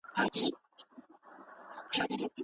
خاونده بل دي هم پر مځکه داسي قام لرلی؟